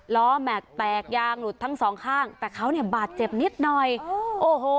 แม็กซ์แตกยางหลุดทั้งสองข้างแต่เขาเนี่ยบาดเจ็บนิดหน่อยโอ้โห